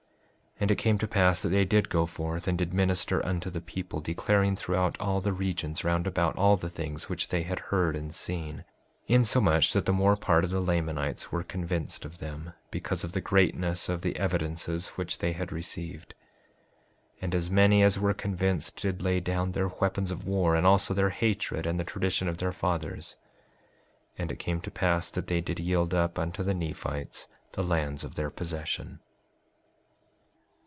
5:50 And it came to pass that they did go forth, and did minister unto the people, declaring throughout all the regions round about all the things which they had heard and seen, insomuch that the more part of the Lamanites were convinced of them, because of the greatness of the evidences which they had received. 5:51 And as many as were convinced did lay down their weapons of war, and also their hatred and the tradition of their fathers. 5:52 And it came to pass that they did yield up unto the Nephites the lands of their possession.